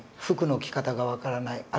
服の着方が分からない。